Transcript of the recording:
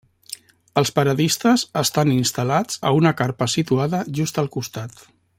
Els paradistes estan instal·lats a una carpa situada just al costat.